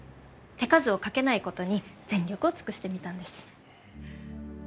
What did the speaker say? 手数をかけないことに全力を尽くしてみたんです。